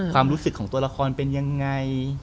ความรู้สึกของตัวละครเป็นยังไง